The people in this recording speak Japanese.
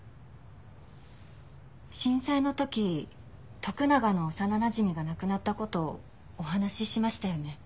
震災の時徳永の幼なじみが亡くなった事お話ししましたよね。